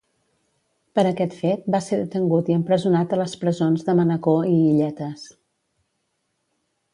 Per aquest fet va ser detengut i empresonat a les presons de Manacor i Illetes.